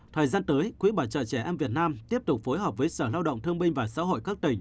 thời gian tới quỹ bảo trợ trẻ em việt nam tiếp tục phối hợp với sở lao động thương binh và xã hội các tỉnh